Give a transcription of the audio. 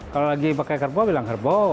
kalau lagi pakai kerbau bilang kerbau